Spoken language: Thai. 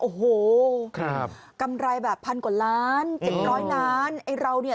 โอ้โหครับกำไรแบบพันกว่าล้านเจ็ดร้อยล้านไอ้เราเนี่ย